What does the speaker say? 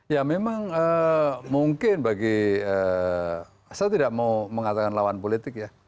ya memang mungkin bagi saya tidak mau mengatakan lawan politik ya